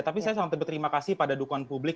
tapi saya sangat berterima kasih pada dukungan publik